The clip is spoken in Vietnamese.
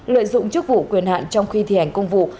lợi dụng chức vụ quyền hạn trong khi thi hành công vụ